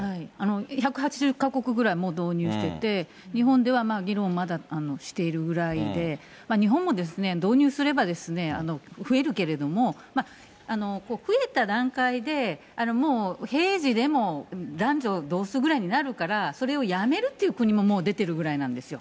１８０か国ぐらい、もう導入してて、日本では議論、まだしているぐらいで、日本も導入すれば増えるけれども、増えた段階でもう平時でも男女同数ぐらいになるから、それをやめるっていう国も、もう出てるぐらいなんですよ。